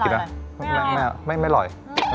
น่าไม่อร่อย